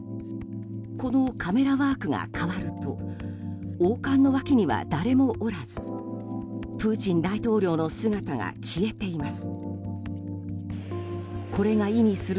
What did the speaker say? このカメラワークが変わると王冠の脇には誰もおらずプーチン大統領の姿が消えています。